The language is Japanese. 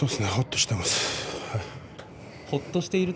ほっとしています。